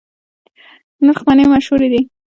نرخ مڼې مشهورې دي؟